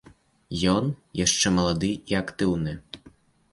Ён яшчэ малады і актыўны.